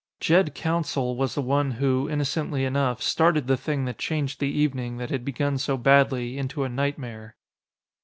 Jed Counsell was the one who, innocently enough, started the thing that changed the evening, that had begun so badly, into a nightmare.